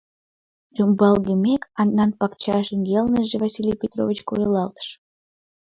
Рӱмбалгымек, Аннан пакча шеҥгелныже Василий Петрович койылалтыш.